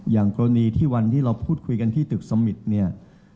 อย่างกรณีที่วันที่เราพูดคุยกันที่ตึกสมิตรเนี่ย